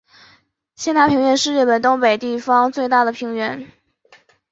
仙台平原是日本东北地方最大的平原。